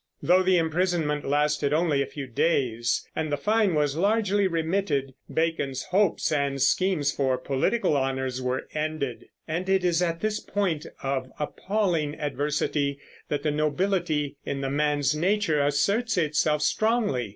Though the imprisonment lasted only a few days and the fine was largely remitted, Bacon's hopes and schemes for political honors were ended; and it is at this point of appalling adversity that the nobility in the man's nature asserts itself strongly.